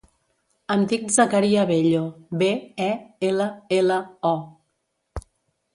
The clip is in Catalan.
Em dic Zakaria Bello: be, e, ela, ela, o.